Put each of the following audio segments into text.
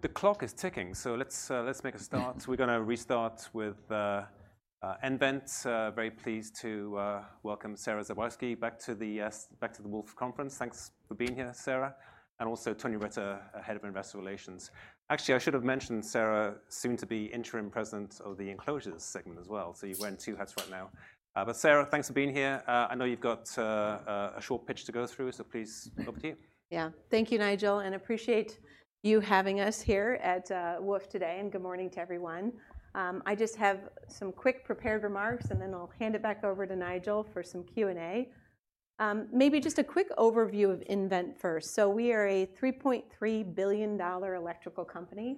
...The clock is ticking, so let's make a start. We're gonna restart with nVent. Very pleased to welcome Sara Zawoyski back to the back to the Wolfe conference. Thanks for being here, Sara, and also Tony Riter, our Head of Investor Relations. Actually, I should have mentioned Sara, soon to be interim president of the Enclosures segment as well. So you wear two hats right now. But Sara, thanks for being here. I know you've got a short pitch to go through, so please, over to you. Yeah. Thank you, Nigel, and appreciate you having us here at Wolfe today, and good morning to everyone. I just have some quick prepared remarks, and then I'll hand it back over to Nigel for some Q&A. Maybe just a quick overview of nVent first. So we are a $3.3 billion electrical company.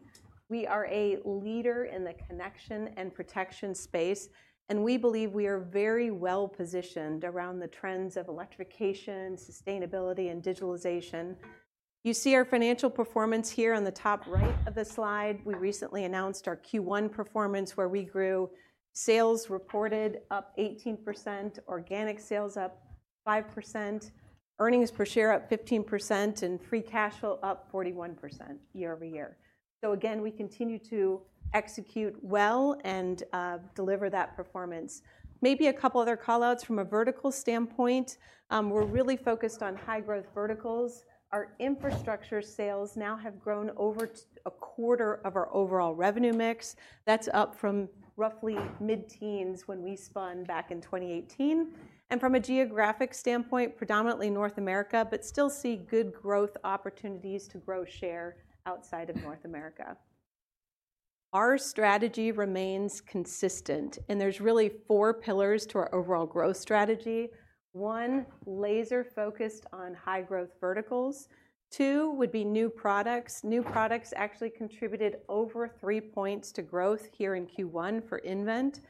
We are a leader in the connection and protection space, and we believe we are very well positioned around the trends of electrification, sustainability, and digitalization. You see our financial performance here on the top right of the slide. We recently announced our Q1 performance, where we grew sales reported up 18%, organic sales up 5%, earnings per share up 15%, and free cash flow up 41% year-over-year. So again, we continue to execute well and deliver that performance. Maybe a couple other call-outs from a vertical standpoint, we're really focused on high growth verticals. Our infrastructure sales now have grown over a quarter of our overall revenue mix. That's up from roughly mid-teens when we spun back in 2018. And from a geographic standpoint, predominantly North America, but still see good growth opportunities to grow share outside of North America. Our strategy remains consistent, and there's really four pillars to our overall growth strategy. One, laser focused on high growth verticals. Two, would be new products. New products actually contributed over three points to growth here in Q1 for nVent.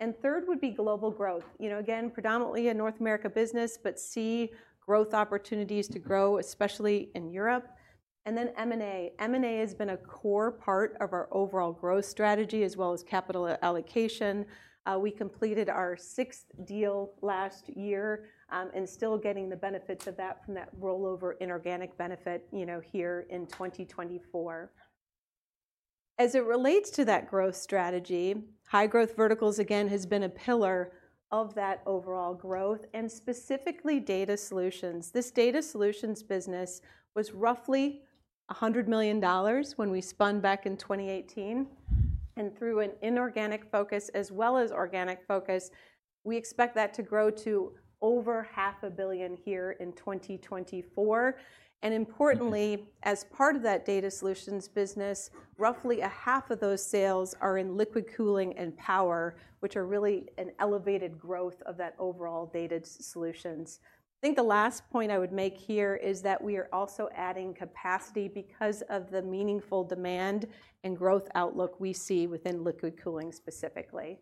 And third would be global growth. You know, again, predominantly a North America business, but see growth opportunities to grow, especially in Europe. And then M&A. M&A has been a core part of our overall growth strategy, as well as capital allocation. We completed our sixth deal last year, and still getting the benefits of that from that rollover inorganic benefit, you know, here in 2024. As it relates to that growth strategy, high growth verticals, again, has been a pillar of that overall growth, and specifically Data Solutions. This Data Solutions business was roughly $100 million when we spun back in 2018, and through an inorganic focus as well as organic focus, we expect that to grow to over $500 million here in 2024. Importantly, as part of that Data Solutions business, roughly a half of those sales are in liquid cooling and power, which are really an elevated growth of that overall Data Solutions. I think the last point I would make here is that we are also adding capacity because of the meaningful demand and growth outlook we see within liquid cooling specifically.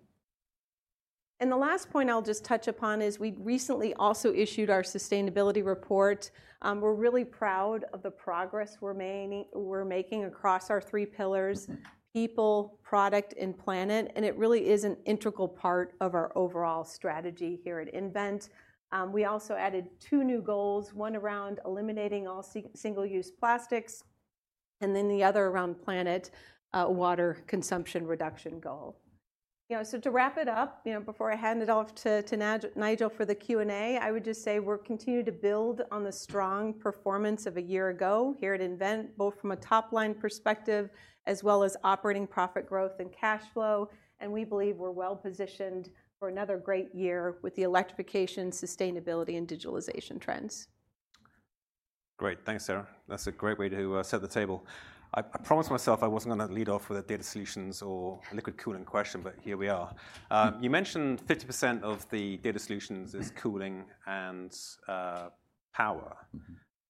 The last point I'll just touch upon is we recently also issued our sustainability report. We're really proud of the progress we're making, we're making across our three pillars: people, product, and planet, and it really is an integral part of our overall strategy here at nVent. We also added two new goals, one around eliminating all single-use plastics, and then the other around planet, water consumption reduction goal. You know, so to wrap it up, you know, before I hand it off to Nigel for the Q&A, I would just say we're continuing to build on the strong performance of a year ago here at nVent, both from a top-line perspective as well as operating profit growth and cash flow, and we believe we're well positioned for another great year with the electrification, sustainability, and digitalization trends. Great. Thanks, Sara. That's a great way to set the table. I promised myself I wasn't gonna lead off with a Data Solutions or liquid cooling question, but here we are. You mentioned 50% of the Data Solutions is cooling and power.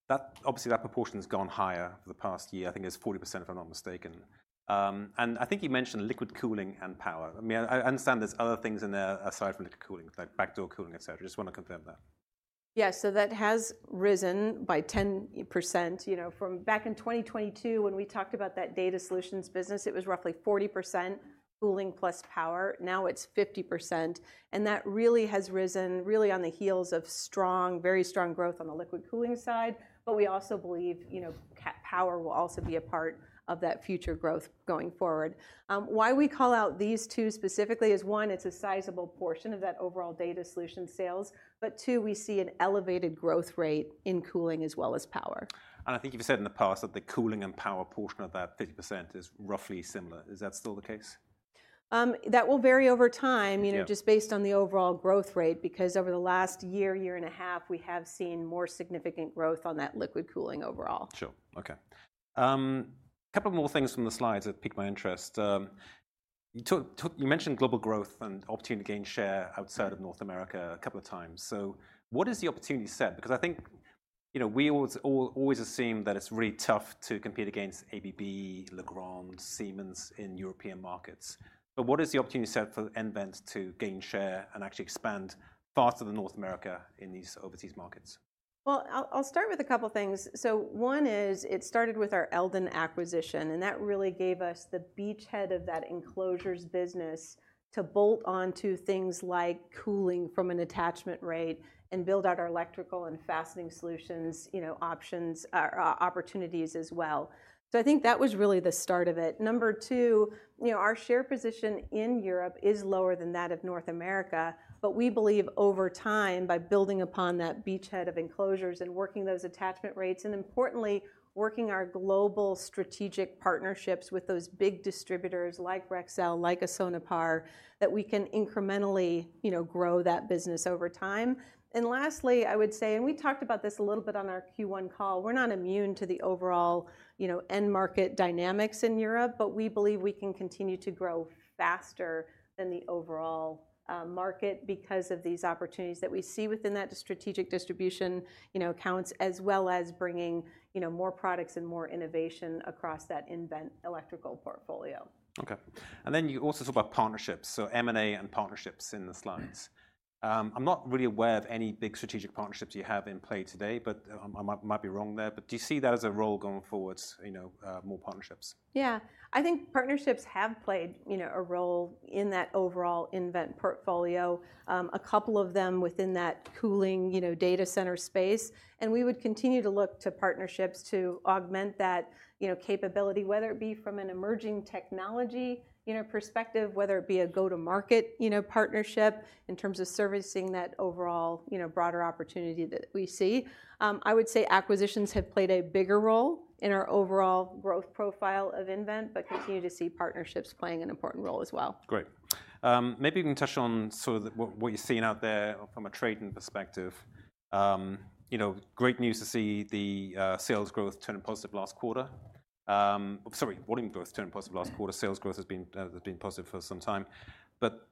That - obviously, that proportion's gone higher over the past year. I think it's 40%, if I'm not mistaken. And I think you mentioned liquid cooling and power. I mean, I understand there's other things in there aside from liquid cooling, like rear door cooling, et cetera. Just wanna confirm that. Yeah, so that has risen by 10%. You know, from back in 2022, when we talked about that Data Solutions business, it was roughly 40% cooling plus power. Now it's 50%, and that really has risen really on the heels of strong, very strong growth on the liquid cooling side. But we also believe, you know, power will also be a part of that future growth going forward. Why we call out these two specifically is, one, it's a sizable portion of that overall Data Solutions sales, but, two, we see an elevated growth rate in cooling as well as power. I think you've said in the past that the cooling and power portion of that 50% is roughly similar. Is that still the case? That will vary over time- Yeah... you know, just based on the overall growth rate, because over the last year, year and a half, we have seen more significant growth on that liquid cooling overall. Sure. Okay. A couple more things from the slides that piqued my interest. You mentioned global growth and opportunity to gain share outside of North America a couple of times. So what is the opportunity set? Because I think, you know, we always assume that it's really tough to compete against ABB, Legrand, Siemens in European markets. But what is the opportunity set for nVent to gain share and actually expand faster than North America in these overseas markets? ... Well, I'll, I'll start with a couple things. So one is, it started with our Eldon acquisition, and that really gave us the beachhead of that enclosures business to bolt onto things like cooling from an attachment rate, and build out our electrical and fastening solutions, you know, options, or, or opportunities as well. So I think that was really the start of it. Number 2, you know, our share position in Europe is lower than that of North America, but we believe over time, by building upon that beachhead of enclosures and working those attachment rates, and importantly, working our global strategic partnerships with those big distributors like Rexel, like Sonepar, that we can incrementally, you know, grow that business over time. And lastly, I would say, and we talked about this a little bit on our Q1 call, we're not immune to the overall, you know, end market dynamics in Europe, but we believe we can continue to grow faster than the overall, market because of these opportunities that we see within that strategic distribution, you know, accounts, as well as bringing, you know, more products and more innovation across that nVent electrical portfolio. Okay. And then you also talk about partnerships, so M&A and partnerships in the slides. I'm not really aware of any big strategic partnerships you have in play today, but, I might be wrong there, but do you see that as a role going forward, you know, more partnerships? Yeah. I think partnerships have played, you know, a role in that overall nVent portfolio. A couple of them within that cooling, you know, data center space, and we would continue to look to partnerships to augment that, you know, capability, whether it be from an emerging technology, you know, perspective, whether it be a go-to-market, you know, partnership, in terms of servicing that overall, you know, broader opportunity that we see. I would say acquisitions have played a bigger role in our overall growth profile of nVent, but continue to see partnerships playing an important role as well. Great. Maybe you can touch on sort of what you're seeing out there from a trading perspective. You know, great news to see the sales growth turn positive last quarter. Sorry, volume growth turn positive last quarter. Mm-hmm. Sales growth has been positive for some time. But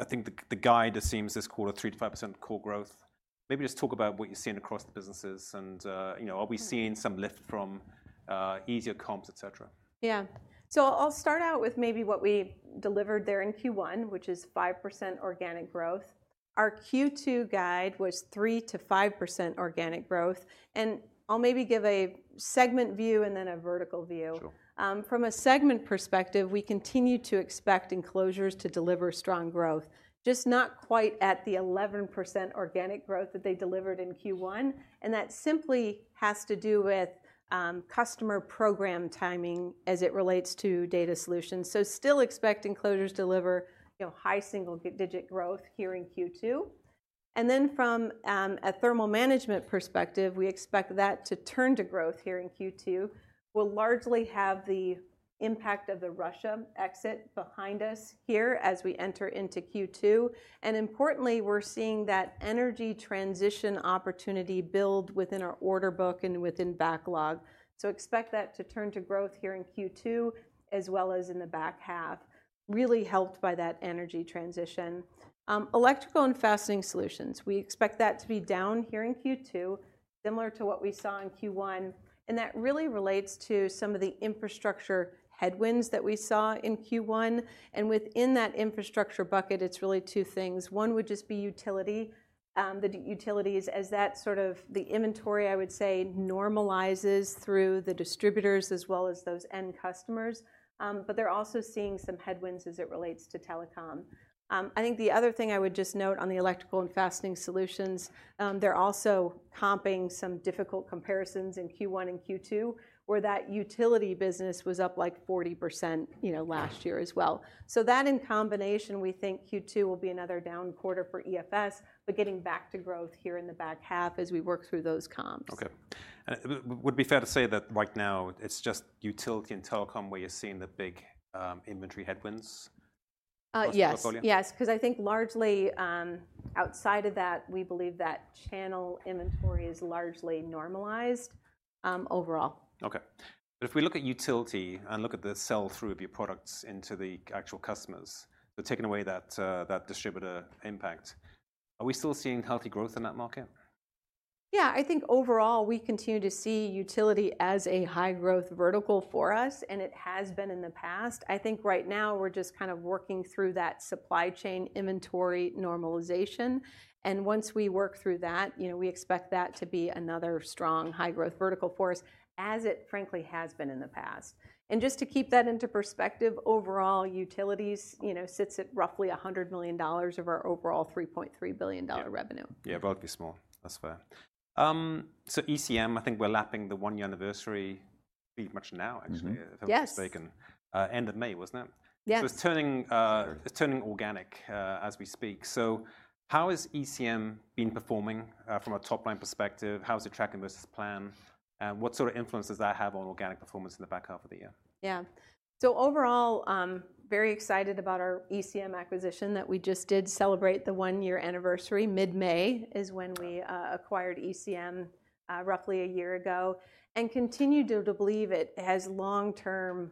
I think the guide assumes this quarter, 3%-5% core growth. Maybe just talk about what you're seeing across the businesses, and, you know, are we seeing- Mm-hmm... some lift from easier comps, et cetera? Yeah. So I'll start out with maybe what we delivered there in Q1, which is 5% organic growth. Our Q2 guide was 3%-5% organic growth, and I'll maybe give a segment view and then a vertical view. Sure. From a segment perspective, we continue to expect enclosures to deliver strong growth, just not quite at the 11% organic growth that they delivered in Q1, and that simply has to do with customer program timing as it relates to data solutions. So still expect enclosures to deliver, you know, high single-digit growth here in Q2. And then from a thermal management perspective, we expect that to turn to growth here in Q2. We'll largely have the impact of the Russia exit behind us here as we enter into Q2, and importantly, we're seeing that energy transition opportunity build within our order book and within backlog. So expect that to turn to growth here in Q2, as well as in the back half, really helped by that energy transition. Electrical and Fastening Solutions, we expect that to be down here in Q2, similar to what we saw in Q1, and that really relates to some of the infrastructure headwinds that we saw in Q1. Within that infrastructure bucket, it's really two things. One would just be utility. The utilities, as that sort of, the inventory, I would say, normalizes through the distributors as well as those end customers. But they're also seeing some headwinds as it relates to telecom. I think the other thing I would just note on the Electrical and Fastening Solutions, they're also comping some difficult comparisons in Q1 and Q2, where that utility business was up, like, 40%, you know, last year as well. That, in combination, we think Q2 will be another down quarter for EFS, but getting back to growth here in the back half as we work through those comps. Okay. And would it be fair to say that right now it's just utility and telecom where you're seeing the big inventory headwinds? Uh, yes... across the portfolio? Yes, 'cause I think largely, outside of that, we believe that channel inventory is largely normalized, overall. Okay. But if we look at utility and look at the sell-through of your products into the actual customers, so taking away that, that distributor impact, are we still seeing healthy growth in that market? Yeah, I think overall, we continue to see utility as a high-growth vertical for us, and it has been in the past. I think right now we're just kind of working through that supply chain inventory normalization, and once we work through that, you know, we expect that to be another strong, high-growth vertical for us, as it frankly has been in the past. And just to keep that into perspective, overall, utilities, you know, sits at roughly $100 million of our overall $3.3 billion revenue. Yeah. Yeah, broadly small. That's fair. So ECM, I think we're lapping the one-year anniversary pretty much now, actually- Mm-hmm. Yes... if I'm not mistaken. End of May, wasn't it? Yes. So it's turning organic as we speak. So how has ECM been performing from a top-line perspective? How's it tracking versus plan? And what sort of influence does that have on organic performance in the back half of the year? Yeah. So overall, very excited about our ECM acquisition that we just did celebrate the one-year anniversary. Mid-May is when we acquired ECM, roughly a year ago, and continue to believe it has long-term,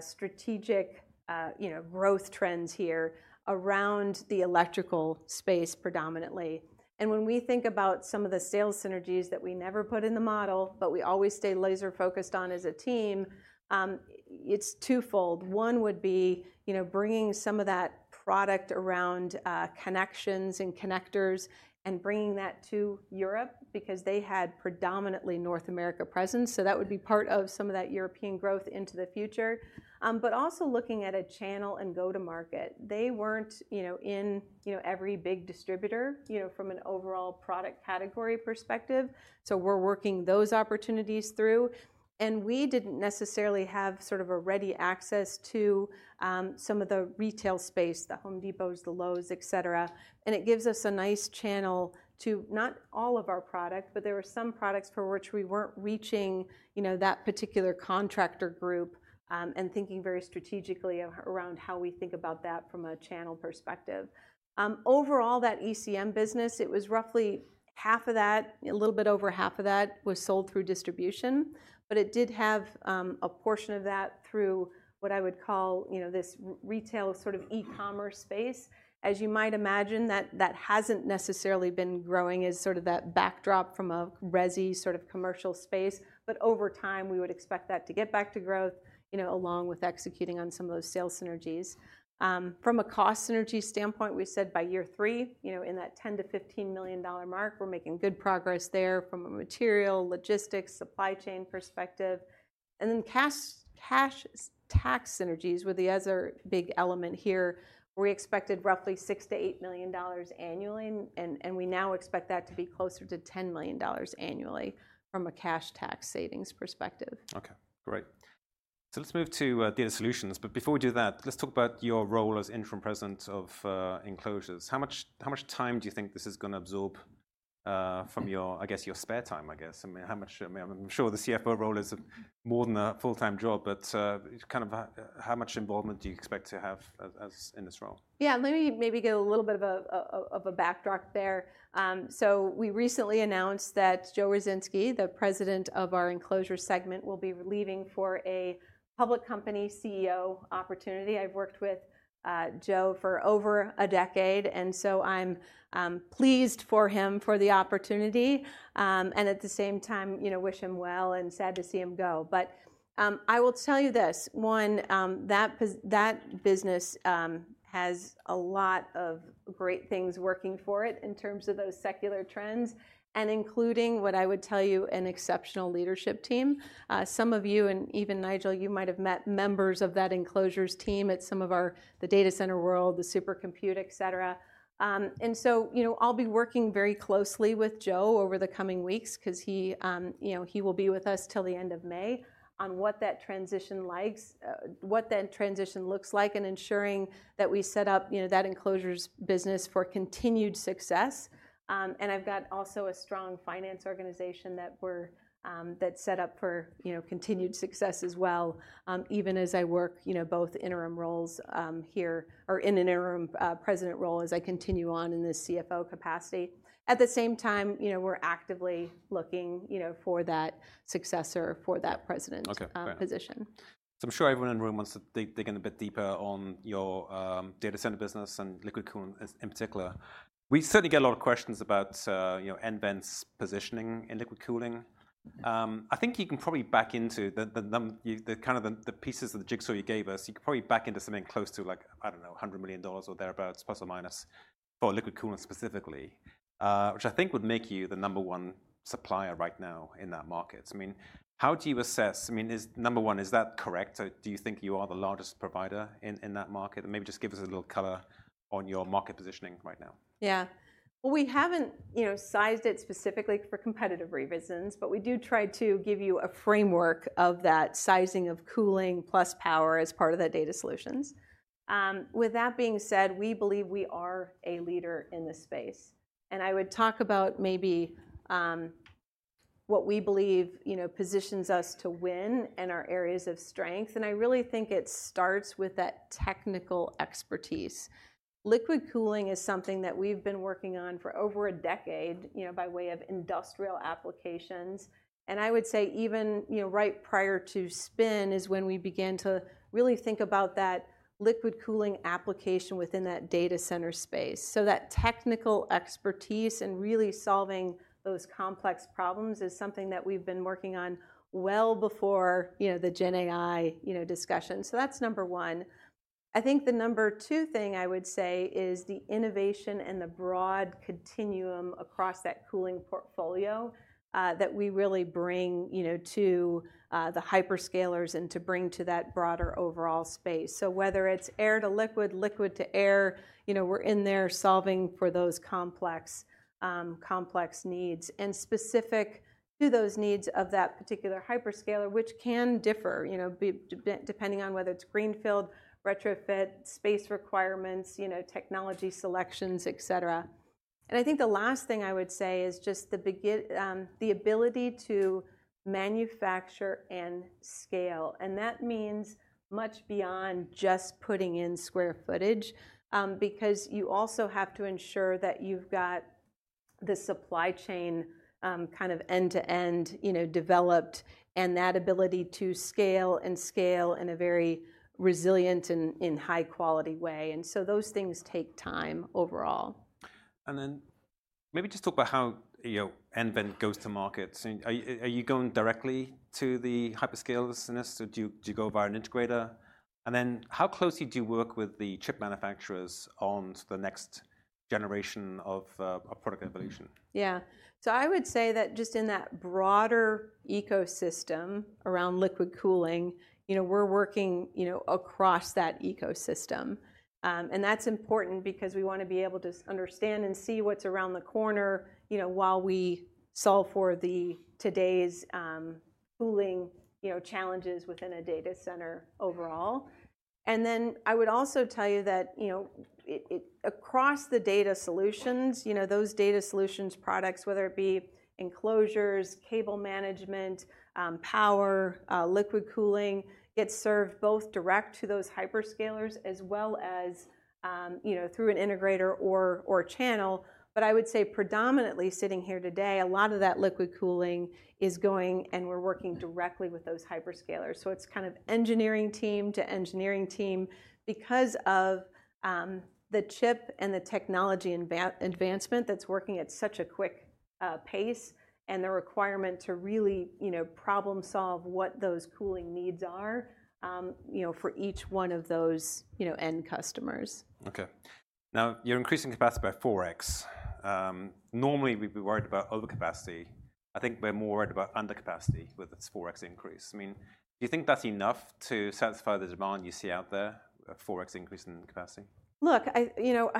strategic, you know, growth trends here around the electrical space, predominantly. And when we think about some of the sales synergies that we never put in the model, but we always stay laser focused on as a team, it's twofold. One would be, you know, bringing some of that product around connections and connectors, and bringing that to Europe, because they had predominantly North America presence, so that would be part of some of that European growth into the future. But also looking at a channel and go-to-market. They weren't, you know, in, you know, every big distributor, you know, from an overall product category perspective, so we're working those opportunities through. And we didn't necessarily have sort of a ready access to some of the retail space, The Home Depots, the Lowe's, et cetera. And it gives us a nice channel to, not all of our product, but there are some products for which we weren't reaching, you know, that particular contractor group, and thinking very strategically around how we think about that from a channel perspective. Overall, that ECM business, it was roughly half of that, a little bit over half of that, was sold through distribution, but it did have a portion of that through what I would call, you know, this retail sort of e-commerce space. As you might imagine, that, that hasn't necessarily been growing as sort of that backdrop from a resi sort of commercial space. But over time, we would expect that to get back to growth, you know, along with executing on some of those sales synergies. From a cost synergy standpoint, we said by year 3, you know, in that $10-$15 million mark, we're making good progress there from a material, logistics, supply chain perspective. And then cash, cash tax synergies were the other big element here, where we expected roughly $6-$8 million annually, and, and we now expect that to be closer to $10 million annually from a cash tax savings perspective. Okay, great. So let's move to data solutions, but before we do that, let's talk about your role as interim president of Enclosures. How much time do you think this is gonna absorb from your, I guess, your spare time, I guess? I mean, how much... I mean, I'm sure the CFO role is more than a full-time job, but kind of how much involvement do you expect to have as in this role? Yeah, let me maybe give a little bit of a backdrop there. So we recently announced that Joe Ruzynski, the president of our Enclosures segment, will be leaving for a public company CEO opportunity. I've worked with Joe for over a decade, and so I'm pleased for him for the opportunity, and at the same time, you know, wish him well and sad to see him go. But I will tell you this: one, that business has a lot of great things working for it in terms of those secular trends, and including, what I would tell you, an exceptional leadership team. Some of you, and even Nigel, you might have met members of that Enclosures team at some of our... the Data Center World, the Supercompute, et cetera. And so, you know, I'll be working very closely with Joe over the coming weeks, 'cause he, you know, he will be with us till the end of May, on what that transition looks like, and ensuring that we set up, you know, that Enclosures business for continued success. And I've got also a strong finance organization that we're... that's set up for, you know, continued success as well, even as I work, you know, both interim roles, here, or in an interim, president role, as I continue on in this CFO capacity. At the same time, you know, we're actively looking, you know, for that successor for that president- Okay, great. position. So I'm sure everyone in the room wants to dig, dig in a bit deeper on your data center business and liquid cooling in particular. We certainly get a lot of questions about, you know, nVent's positioning in liquid cooling. Mm-hmm. I think you can probably back into the numbers, the pieces of the jigsaw you gave us, you can probably back into something close to, like, I don't know, $100 million or thereabouts, plus or minus, for liquid cooling specifically. Which I think would make you the number one supplier right now in that market. I mean, how do you assess? I mean, number one, is that correct? So do you think you are the largest provider in that market? And maybe just give us a little color on your market positioning right now. Yeah. Well, we haven't, you know, sized it specifically for competitive reasons, but we do try to give you a framework of that sizing of cooling plus power as part of the Data Solutions. With that being said, we believe we are a leader in this space, and I would talk about maybe what we believe, you know, positions us to win and our areas of strength, and I really think it starts with that technical expertise. liquid cooling is something that we've been working on for over a decade, you know, by way of industrial applications, and I would say even, you know, right prior to spin is when we began to really think about that liquid cooling application within that data center space. So that technical expertise and really solving those complex problems is something that we've been working on well before, you know, the Gen AI, you know, discussion. So that's number one. I think the number two thing I would say is the innovation and the broad continuum across that cooling portfolio that we really bring, you know, to the hyperscalers and to bring to that broader overall space. So whether it's air to liquid, liquid to air, you know, we're in there solving for those complex complex needs, and specific to those needs of that particular hyperscaler, which can differ, you know, depending on whether it's greenfield, retrofit, space requirements, you know, technology selections, et cetera. I think the last thing I would say is just the ability to manufacture and scale, and that means much beyond just putting in square footage. Because you also have to ensure that you've got the supply chain, kind of end to end, you know, developed, and that ability to scale and scale in a very resilient and in high quality way, and so those things take time overall. And then maybe just talk about how, you know, nVent goes to market. So are you going directly to the hyperscalers, or do you go via an integrator? And then, how closely do you work with the chip manufacturers on the next-generation of product evolution? Yeah. So I would say that just in that broader ecosystem around liquid cooling, you know, we're working, you know, across that ecosystem. And that's important because we wanna be able to understand and see what's around the corner, you know, while we solve for today's cooling, you know, challenges within a data center overall. Then I would also tell you that, you know, across the Data Solutions, you know, those Data Solutions products, whether it be Enclosures, cable management, power, liquid cooling, get served both direct to those hyperscalers as well as, you know, through an integrator or a channel. But I would say predominantly sitting here today, a lot of that liquid cooling is going, and we're working directly with those hyperscalers. So it's kind of engineering team to engineering team. Because of the chip and the technology advancement that's working at such a quick pace, and the requirement to really, you know, problem-solve what those cooling needs are, you know, for each one of those, you know, end customers. Okay. Now, you're increasing capacity by 4X. Normally we'd be worried about overcapacity. I think we're more worried about undercapacity with this 4X increase. I mean, do you think that's enough to satisfy the demand you see out there, a 4X increase in capacity? Look, I, you know,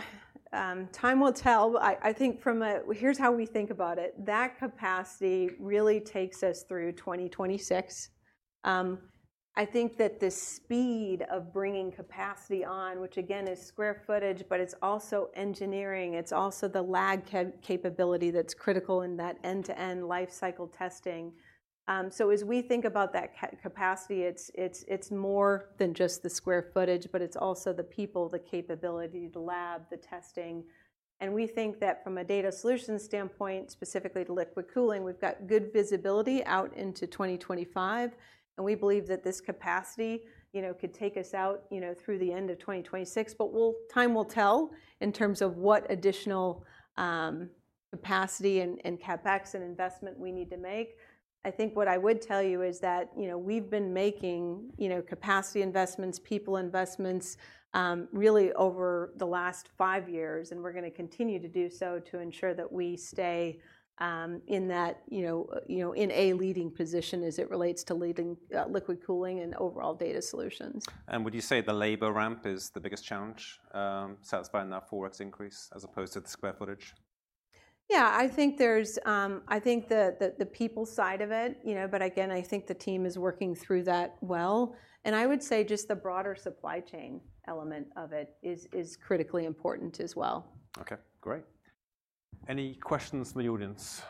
time will tell. I think from a... Here's how we think about it. That capacity really takes us through 2026. I think that the speed of bringing capacity on, which again, is square footage, but it's also engineering, it's also the capability that's critical in that end-to-end life cycle testing. So as we think about that capacity, it's more than just the square footage, but it's also the people, the capability, the lab, the testing. And we think that from a data solutions standpoint, specifically to liquid cooling, we've got good visibility out into 2025, and we believe that this capacity, you know, could take us out, you know, through the end of 2026. But time will tell in terms of what additional capacity and CapEx and investment we need to make. I think what I would tell you is that, you know, we've been making, you know, capacity investments, people investments, really over the last five years, and we're gonna continue to do so to ensure that we stay, in that, you know, you know, in a leading position as it relates to leading, liquid cooling and overall data solutions. Would you say the labor ramp is the biggest challenge, satisfying that 4X increase, as opposed to the square footage? Yeah, I think there's I think the people side of it, you know. But again, I think the team is working through that well. And I would say just the broader supply chain element of it is critically important as well. Okay, great. Any questions from the audience?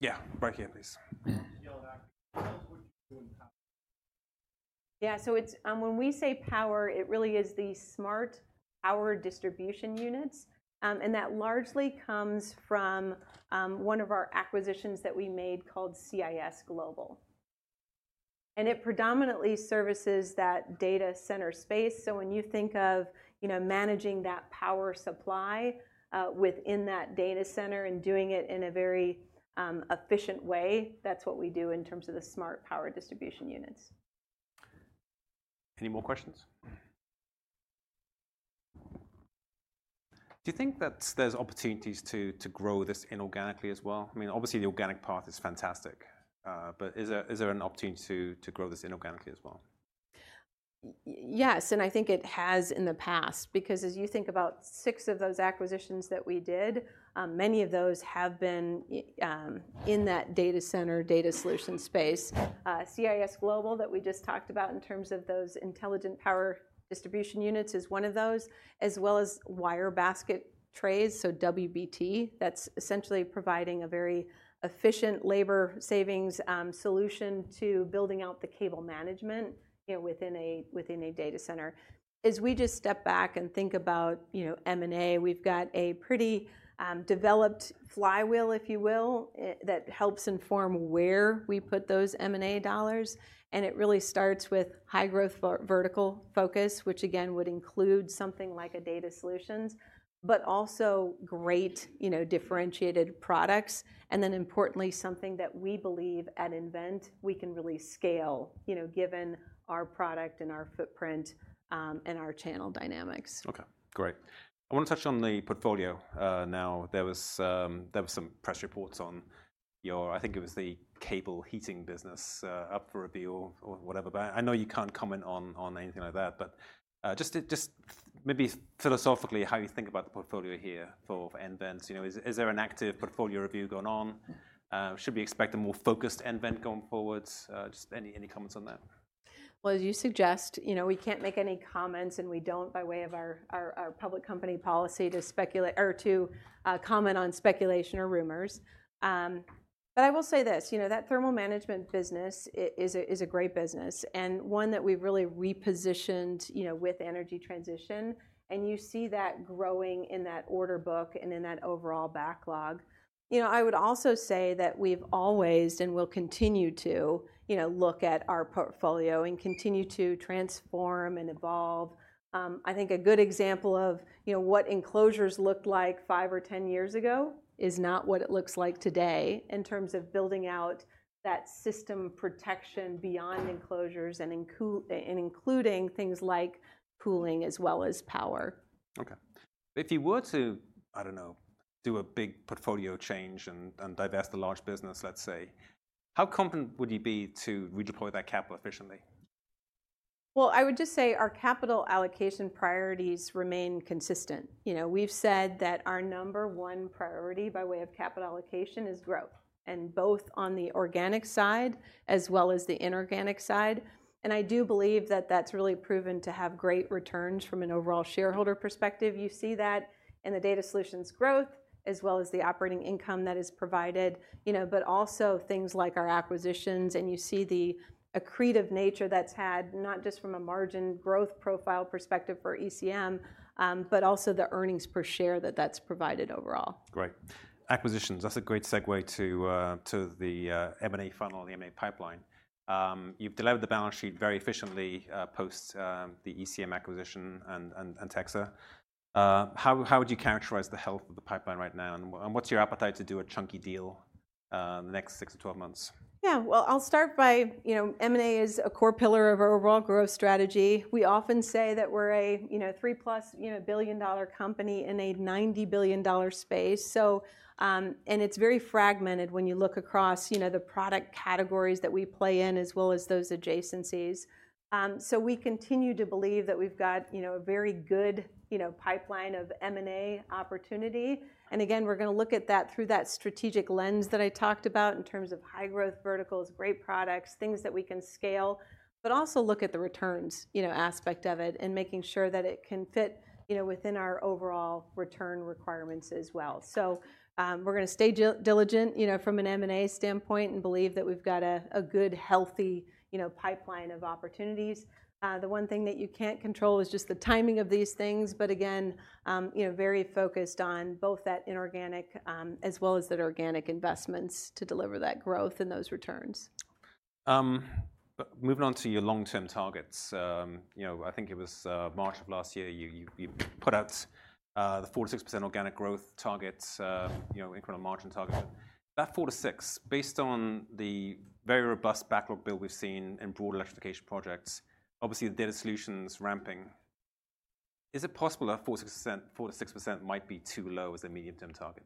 Yeah, back here, please. Yeah, so it's when we say power, it really is the smart power distribution units. And that largely comes from one of our acquisitions that we made called CIS Global, and it predominantly services that data center space. So when you think of, you know, managing that power supply within that data center and doing it in a very efficient way, that's what we do in terms of the smart power distribution units. Any more questions? Do you think that there's opportunities to grow this inorganically as well? I mean, obviously, the organic path is fantastic, but is there an opportunity to grow this inorganically as well? Yes, and I think it has in the past. Because as you think about six of those acquisitions that we did, many of those have been in that data center, data solution space. CIS Global, that we just talked about in terms of those intelligent power distribution units, is one of those, as well as wire basket trays, so WBT. That's essentially providing a very efficient labor savings solution to building out the cable management, you know, within a data center. As we just step back and think about, you know, M&A, we've got a pretty developed flywheel, if you will, that helps inform where we put those M&A dollars, and it really starts with high-growth vertical focus, which again, would include something like a data solutions, but also great, you know, differentiated products, and then importantly, something that we believe at nVent we can really scale, you know, given our product and our footprint, and our channel dynamics. Okay, great. I want to touch on the portfolio, now. There was, there was some press reports on your... I think it was the cable heating business, up for review or whatever. But I know you can't comment on, on anything like that, but, just maybe philosophically, how you think about the portfolio here for nVent's. You know, is, is there an active portfolio review going on? Should we expect a more focused nVent going forward? Just any, any comments on that? Well, as you suggest, you know, we can't make any comments, and we don't, by way of our public company policy, to speculate or to comment on speculation or rumors. But I will say this: you know, that Thermal Management business is a great business, and one that we've really repositioned, you know, with energy transition, and you see that growing in that order book and in that overall backlog. You know, I would also say that we've always, and will continue to, you know, look at our portfolio and continue to transform and evolve. I think a good example of, you know, what Enclosures looked like five or ten years ago is not what it looks like today in terms of building out that system protection beyond enclosures and including things like cooling as well as power. Okay. If you were to do a big portfolio change and divest a large business, let's say. How confident would you be to redeploy that capital efficiently? Well, I would just say our capital allocation priorities remain consistent. You know, we've said that our number one priority by way of capital allocation is growth, and both on the organic side as well as the inorganic side, and I do believe that that's really proven to have great returns from an overall shareholder perspective. You see that in the Data Solutions growth as well as the operating income that is provided, you know, but also things like our acquisitions, and you see the accretive nature that's had, not just from a margin growth profile perspective for ECM, but also the earnings per share that that's provided overall. Great. Acquisitions, that's a great segue to the M&A funnel, the M&A pipeline. You've delivered the balance sheet very efficiently, post the ECM acquisition and Texa. How would you characterize the health of the pipeline right now, and what's your appetite to do a chunky deal in the next 6-12 months? Yeah. Well, I'll start by, you know, M&A is a core pillar of our overall growth strategy. We often say that we're a, you know, 3+ billion-dollar company in a 90 billion-dollar space. So, and it's very fragmented when you look across, you know, the product categories that we play in, as well as those adjacencies. So we continue to believe that we've got, you know, a very good, you know, pipeline of M&A opportunity, and again, we're gonna look at that through that strategic lens that I talked about in terms of high growth verticals, great products, things that we can scale, but also look at the returns, you know, aspect of it, and making sure that it can fit, you know, within our overall return requirements as well. So, we're gonna stay diligent, you know, from an M&A standpoint and believe that we've got a good, healthy, you know, pipeline of opportunities. The one thing that you can't control is just the timing of these things, but again, you know, very focused on both that inorganic as well as the organic investments to deliver that growth and those returns. But moving on to your long-term targets, you know, I think it was March of last year, you put out the 4%-6% organic growth targets, you know, incremental margin target. That 4%-6%, based on the very robust backlog build we've seen in broad Electrification projects, obviously, the Data Solutions ramping, is it possible that 4%-6%, 4%-6% might be too low as a medium-term target?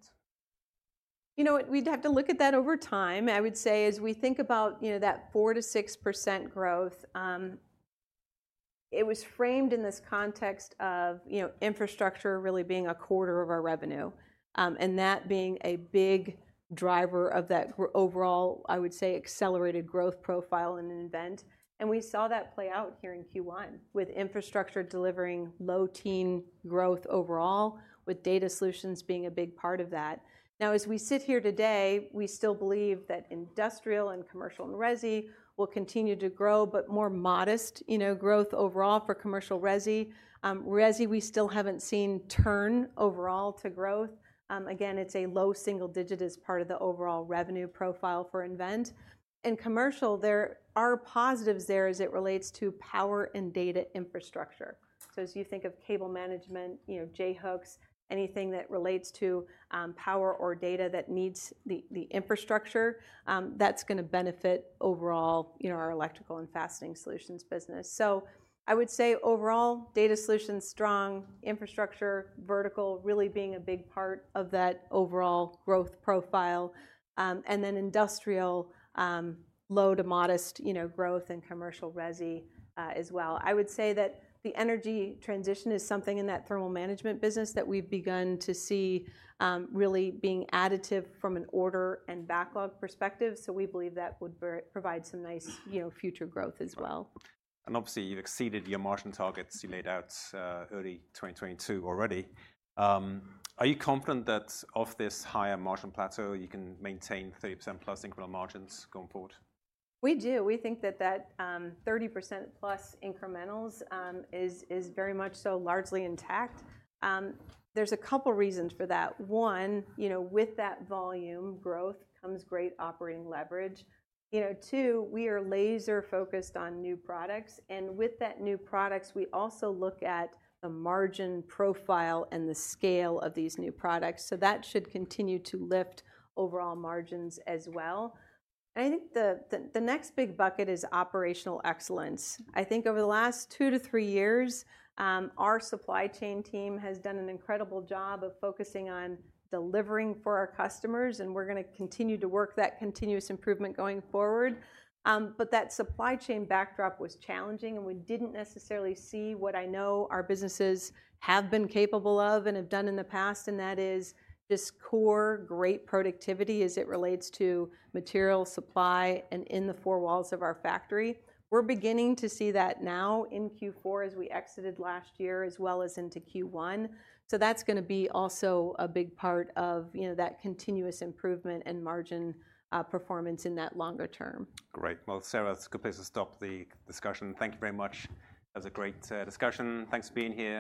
You know what? We'd have to look at that over time. I would say as we think about, you know, that 4%-6% growth, it was framed in this context of, you know, infrastructure really being a quarter of our revenue, and that being a big driver of that overall, I would say, accelerated growth profile in nVent, and we saw that play out here in Q1, with infrastructure delivering low-teens growth overall, with data solutions being a big part of that. Now, as we sit here today, we still believe that industrial and commercial and resi will continue to grow, but more modest, you know, growth overall for commercial resi. Resi, we still haven't seen turn overall to growth. Again, it's a low single-digit as part of the overall revenue profile for nVent. In commercial, there are positives there as it relates to power and data infrastructure. So as you think of cable management, you know, J-hooks, anything that relates to power or data that needs the infrastructure, that's gonna benefit overall, you know, our electrical and fastening solutions business. So I would say overall, Data Solutions strong, infrastructure vertical really being a big part of that overall growth profile, and then industrial, low to modest, you know, growth in commercial resi, as well. I would say that the energy transition is something in that Thermal Management business that we've begun to see really being additive from an order and backlog perspective, so we believe that would provide some nice, you know, future growth as well. Obviously, you've exceeded your margin targets you laid out, early 2022 already. Are you confident that off this higher margin plateau, you can maintain 30%+ incremental margins going forward? We do. We think that that 30%+ incrementals is very much so largely intact. There's a couple reasons for that. One, you know, with that volume growth comes great operating leverage. You know, two, we are laser-focused on new products, and with that new products, we also look at the margin profile and the scale of these new products, so that should continue to lift overall margins as well. I think the next big bucket is operational excellence. I think over the last two to three years, our supply chain team has done an incredible job of focusing on delivering for our customers, and we're gonna continue to work that continuous improvement going forward. But that supply chain backdrop was challenging, and we didn't necessarily see what I know our businesses have been capable of and have done in the past, and that is this core, great productivity as it relates to material supply and in the four walls of our factory. We're beginning to see that now in Q4 as we exited last year, as well as into Q1, so that's gonna be also a big part of, you know, that continuous improvement and margin performance in that longer term. Great. Well, Sara, it's a good place to stop the discussion. Thank you very much. That was a great discussion. Thanks for being here.